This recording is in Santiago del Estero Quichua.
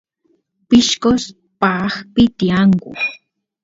pishqos paaqpi tiyanku